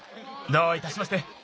どういたしまして。